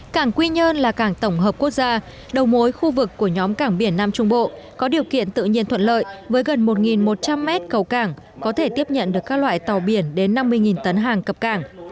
cảng quy nhơn là cảng tổng hợp quốc gia đầu mối khu vực của nhóm cảng biển nam trung bộ có điều kiện tự nhiên thuận lợi với gần một một trăm linh mét cầu cảng có thể tiếp nhận được các loại tàu biển đến năm mươi tấn hàng cập cảng